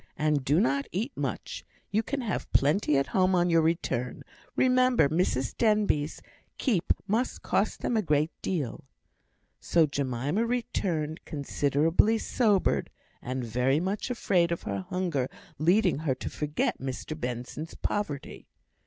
And do not eat much; you can have plenty at home on your return; remember Mrs Denbigh's keep must cost them a great deal." So Jemima returned considerably sobered, and very much afraid of her hunger leading her to forget Mr Benson's poverty.